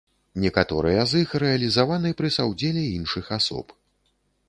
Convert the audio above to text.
Некаторыя з іх рэалізаваны пры саўдзеле іншых асоб.